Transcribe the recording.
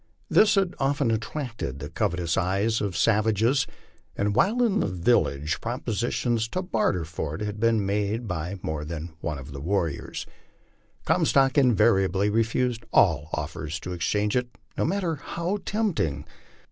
This had often attracted the covetous eyes of the savages, and while in the village propositions to barter for it had been made by more than one of the warriors. Comstock invariably refused all offers to exchange it, no mat ter how tempting.